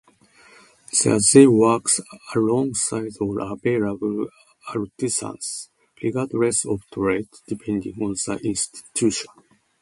There they work alongside all available artisans regardless of trade, depending on the institution.